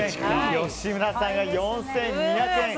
吉村さんが４２００円。